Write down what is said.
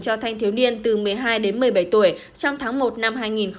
cho thanh thiếu niên từ một mươi hai đến một mươi bảy tuổi trong tháng một năm hai nghìn hai mươi